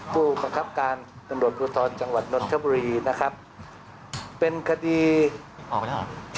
ผู้บังคับการดังโดยโครทรจังหวัดนะครับเป็นคดีออกไปด้วยหรอ